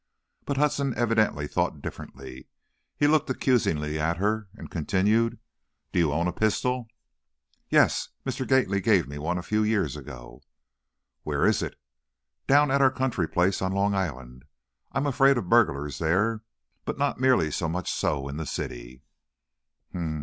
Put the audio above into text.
But Hudson evidently thought differently. He looked accusingly at her, and continued, "Do you own a pistol?" "Yes; Mr. Gately gave me one a few years ago." "Where is it?" "Down at our country place, on Long Island. I am afraid of burglars there, but not nearly so much so in the city."